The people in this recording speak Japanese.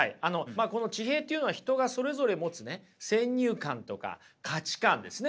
まあこの地平っていうのは人がそれぞれ持つね先入観とか価値観ですね。